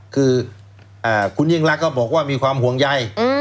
คือคุณยิ่งรักก็บอกว่ามีความห่วงใย